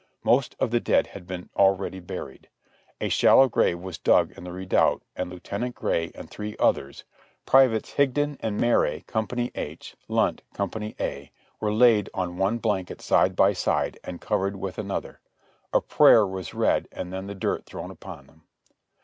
Most of the dead had been already buried. A shallow grave was dug in the redoubt and the: next day 149 Lieut, Gray and three others, privates Higdon and Marray, Co. H, Lunt, Co. A, were laid on one blanket side by side, and covered with another; a prayer was read and then the dirt thrown upon them.